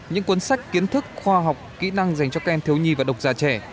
những cuốn sách kiến thức khoa học kỹ năng dành cho các em thiếu nhi và độc giả trẻ